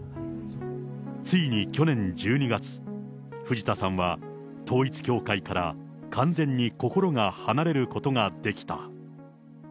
ついに去年１２月、藤田さんは統一教会から完全に心が離れることができた。